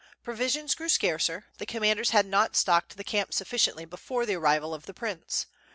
Provisions grew scarcer; the commanders had not stocked the camp sufiSciently before the arrival of the prince.